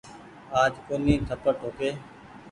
آج ڪونيٚ ٿپڙ ٺوڪي۔